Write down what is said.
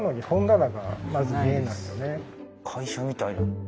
会社みたいな。